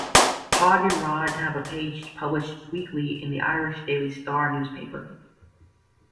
Podge and Rodge have a page published weekly in The "Irish Daily Star" newspaper.